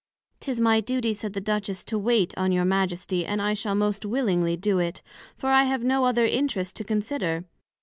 'Tis my duty, said the Duchess, to wait on your Majesty, and I shall most willingly do it, for I have no other interest to consider.